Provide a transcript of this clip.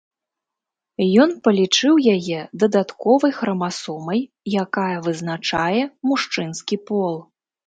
Ён палічыў яе дадатковай храмасомай, якая вызначае мужчынскі пол.